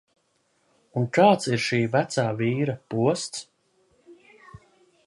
Un kāds ir šī vecā vīra posts?